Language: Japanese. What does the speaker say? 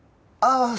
ああ